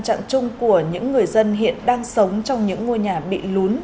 trạng chung của những người dân hiện đang sống trong những ngôi nhà bị lún